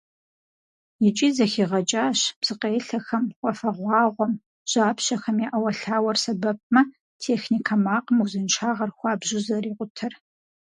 ИкӀи зэхигъэкӀащ псыкъелъэхэм, уафэгъуагъуэм, жьапщэхэм я Ӏэуэлъауэр сэбэпмэ, техникэ макъым узыншагъэр хуабжьу зэрикъутэр.